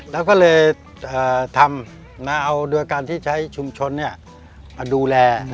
แล้วก็เลยทำเอาโดยการที่ใช้ชุมชนมาดูแล